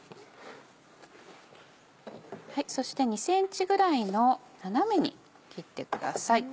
そして２ｃｍぐらいの斜めに切ってください。